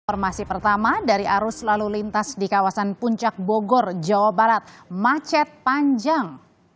informasi pertama dari arus lalu lintas di kawasan puncak bogor jawa barat macet panjang